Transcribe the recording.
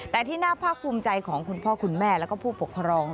แต่ที่น่าภาคภูมิใจของคุณพ่อคุณแม่แล้วก็ผู้ปกครอง